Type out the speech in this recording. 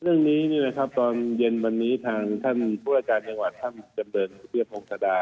เรื่องนี้ตอนเย็นวันนี้ทางท่านผู้รักษาจังหวัดท่านจำเดินพิเศษภงษาดา